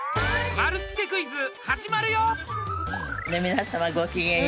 丸つけクイズ始まるよ！